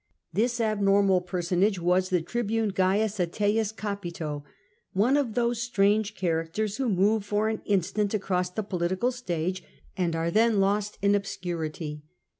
This abnormal personage was the tribune C. Ateius Oapito, one of those strange characters who move for an instant across the political stage, and are then lost in obscurity.